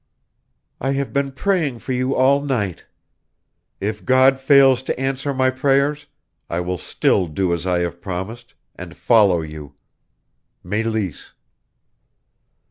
"I have been praying for you all night. If God fails to answer my prayers I will still do as I have promised and follow you." "Meleese."